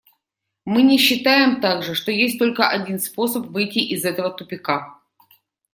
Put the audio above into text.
Мы не считаем также, что есть только один способ выйти из этого тупика.